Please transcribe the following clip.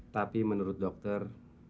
tapi menurut dokter